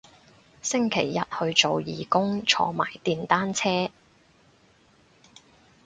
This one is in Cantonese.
星期日去做義工坐埋電單車